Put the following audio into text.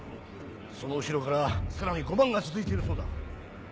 その後ろからさらに５万が続いているそうだ。